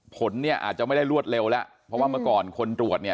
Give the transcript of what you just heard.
ผลเนี่ยอาจจะไม่ได้รวดเร็วแล้วเพราะว่าเมื่อก่อนคนตรวจเนี่ย